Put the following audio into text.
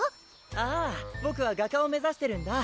ああボクは画家を目指してるんだ！